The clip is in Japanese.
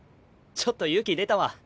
ちょっと勇気出たわ。